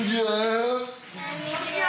こんにちは！